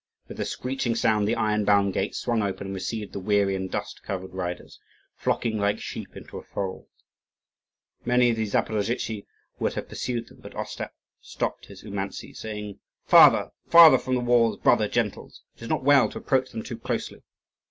With a screeching sound the iron bound gates swung open and received the weary and dust covered riders, flocking like sheep into a fold. Many of the Zaporozhtzi would have pursued them, but Ostap stopped his Oumantzi, saying, "Farther, farther from the walls, brother gentles! it is not well to approach them too closely."